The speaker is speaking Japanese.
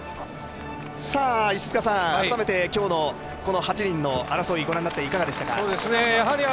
改めて今日の８人の争い、御覧になっていかがでしたか？